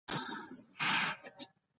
شپږ پنځوسم سوال د کنټرول په اړه دی.